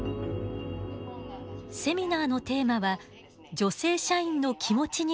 セミナーのテーマは「女性社員の気持ちになって考えよう」。